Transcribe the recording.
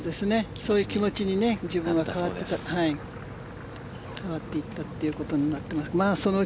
そういう気持ちに、自分は変わっていたということになっています。